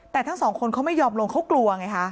แต่ทั้งสองคนเขาไม่ยอมลงเขากลัวไงคะ